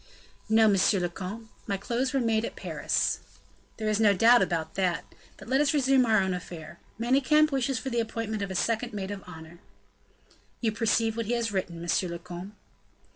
"No, monsieur le comte; my clothes were made at Paris." "There is no doubt about that. But let us resume our own affair. Manicamp wishes for the appointment of a second maid of honor." "You perceive what he has written, monsieur le comte."